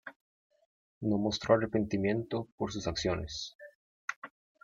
No mostró arrepentimiento por sus acciones.